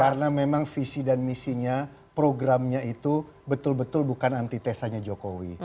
karena memang visi dan misinya programnya itu betul betul bukan anti tesanya jokowi